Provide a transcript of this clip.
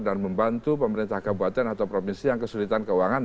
dan membantu pemerintah kabupaten atau provinsi yang kesulitan keuangan